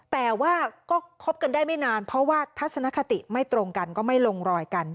แต่ว่าก็คบกันได้ไม่นานเพราะว่าทัศนคติไม่ตรงกันก็ไม่ลงรอยกัน